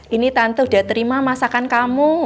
ini tante udah terima masakan kamu